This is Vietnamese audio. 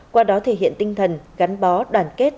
qua đó thể hiện tinh thần gắn bó đoàn kết